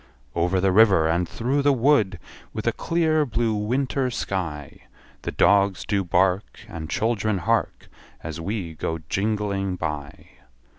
Over the river, and through the wood, With a clear blue winter sky, The dogs do bark, And children hark, As we go jingling by.